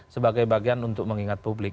sebagai bagian untuk mengingat publik